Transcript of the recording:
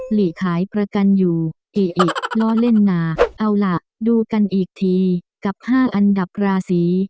หลีขายประกันอยู่เออล้อเล่นนาเอาล่ะดูกันอีกทีกับ๕อันดับราศี